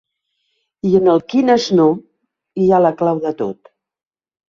I en el ‘quines no’ hi ha la clau de tot.